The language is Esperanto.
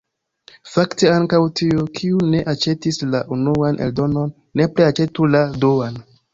Fakte ankaŭ tiuj, kiuj ne aĉetis la unuan eldonon, nepre aĉetu la duan.